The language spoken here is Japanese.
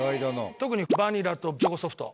特にバニラとチョコソフト。